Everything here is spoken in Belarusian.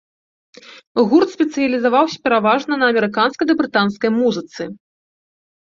Гурт спецыялізаваўся пераважна на амерыканскай ды брытанскай музыцы.